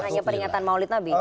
hanya peringatan maulid nabi